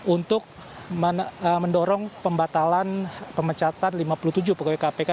untuk mendorong pembatalan pemecatan lima puluh tujuh pegawai kpk